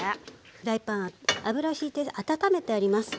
フライパン油をひいて温めてあります。